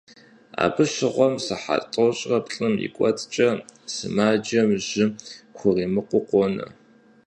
Абы щыгъуэм, сыхьэт тӏощӏрэ плӏым и кӀуэцӀкӏэ сымаджэм жьы хуримыкъуу къонэ.